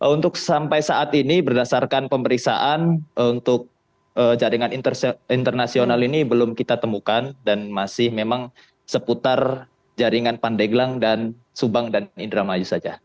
untuk sampai saat ini berdasarkan pemeriksaan untuk jaringan internasional ini belum kita temukan dan masih memang seputar jaringan pandeglang dan subang dan indramayu saja